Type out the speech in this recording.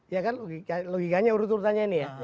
ya kan logikanya urut urutannya ini ya